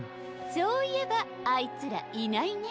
そういえばあいつらいないね。